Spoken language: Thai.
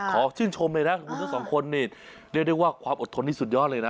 ขอชื่นชมเลยนะคุณทั้งสองคนนี่เรียกได้ว่าความอดทนนี่สุดยอดเลยนะ